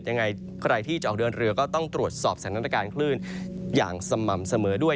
ยังไงใครที่จะออกเดินเรือก็ต้องตรวจสอบสถานการณ์คลื่นอย่างสม่ำเสมอด้วย